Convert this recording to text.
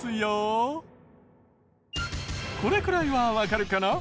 これくらいはわかるかな？